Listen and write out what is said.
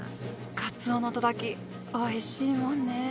かつおのたたきおいしいもんね。